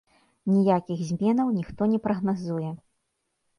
Ніякіх зменаў ніхто не прагназуе.